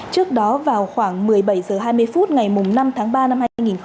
trước đó vào khoảng một mươi bảy h hai mươi phút ngày năm tháng ba năm hai nghìn hai mươi